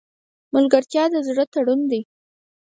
ملګرتیا د زړه تړون دی.